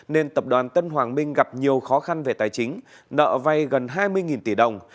nên tập đoàn tân hoàng minh gặp nhiều khó khăn về tài chính nợ vay gần hai mươi tỷ đồng